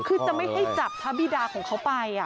คือจะไม่ให้จับพระบิดาของเขาไป